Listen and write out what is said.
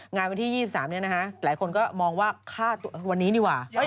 งานวันที่๒๓เนี่ยนะฮะหลายคนก็มองว่าข้าวันนี้นี่หว่า